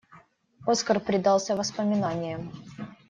Оскар предался воспоминаниям.